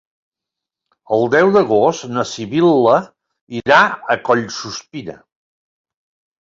El deu d'agost na Sibil·la irà a Collsuspina.